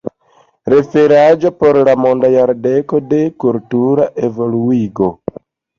Referaĵo por la Monda Jardeko de Kultura Evoluigo.